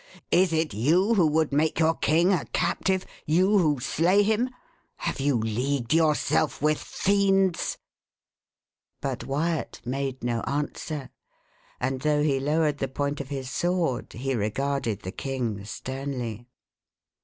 is it you who would make your king a captive? you who slay him? Have you leagued yourself with fiends?" But Wyat made no answer; and though he lowered the point of his sword, he regarded the king sternly.